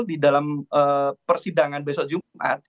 di dalam persidangan besok jumat